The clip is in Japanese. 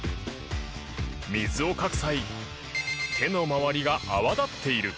水をかく際、手の周りが泡立っている。